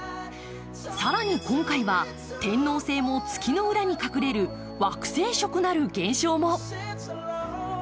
更に今回は天王星も月の裏に隠れる惑星食なる現象も。